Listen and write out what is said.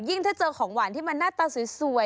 ถ้าเจอของหวานที่มันหน้าตาสวย